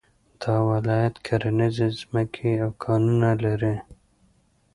دا ولایت کرنيزې ځمکې او کانونه لري